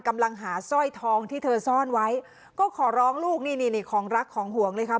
กำลังหาสร้อยทองที่เธอซ่อนไว้ก็ขอร้องลูกนี่นี่ของรักของห่วงเลยค่ะ